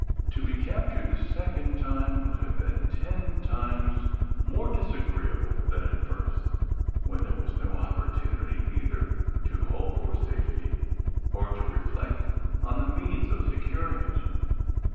To be captured the second time would have been ten times more disagreeable than at first when there was no opportunity either to hope for safety, or to reflect on the means of securing it.